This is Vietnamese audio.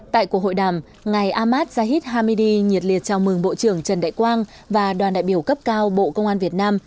tại cuộc hội đàm ngài ahmad jahid hamidi nhiệt liệt chào mừng bộ trưởng trần đại quang và đoàn đại biểu cấp cao bộ công an việt nam